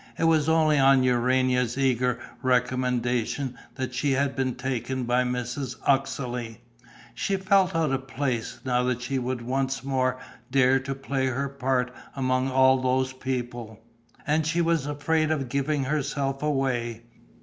It was only on Urania's eager recommendation that she had been taken by Mrs. Uxeley. She felt out of place, now that she would once more dare to play her part among all those people; and she was afraid of giving herself away.